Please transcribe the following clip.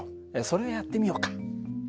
それをやってみようか。